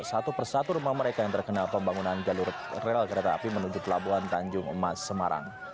satu persatu rumah mereka yang terkenal pembangunan jalur rel kereta api menuju pelabuhan tanjung emas semarang